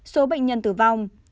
số bệnh nhân tử vong